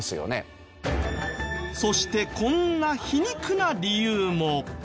そしてこんな皮肉な理由も。